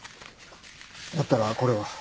だったらこれは？